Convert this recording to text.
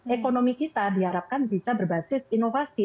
ekonomi kita diharapkan bisa berbasis inovasi